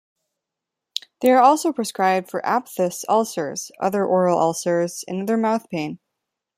They are also prescribed for aphthous ulcers, other oral ulcers, and other mouth pain.